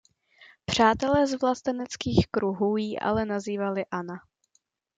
Přátelé z vlasteneckých kruhů ji ale nazývali Anna.